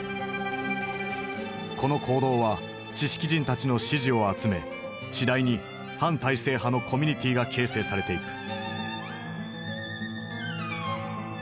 この行動は知識人たちの支持を集め次第に反体制派のコミュニティーが形成されていく。